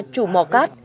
chủ mò cát